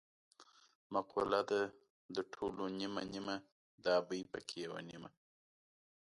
مقوله ده: د ټولو نیمه نیمه د ابۍ پکې یوه نیمه.